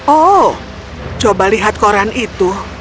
oh coba lihat koran itu